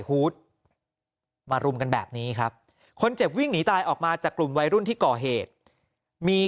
ฮูตมารุมกันแบบนี้ครับคนเจ็บวิ่งหนีตายออกมาจากกลุ่มวัยรุ่นที่ก่อเหตุมี